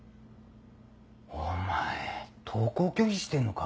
お前登校拒否してんのか。